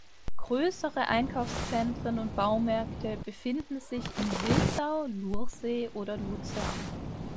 Grössere Einkaufszentren und Baumärkte befinden sich in Willisau, Sursee oder Luzern.